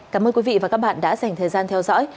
cảm ơn quý vị và các bạn đã dành thời gian theo dõi